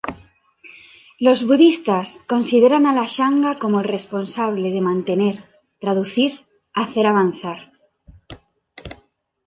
Los budistas consideran a la sangha como la responsable de mantener, traducir, hacer avanzar.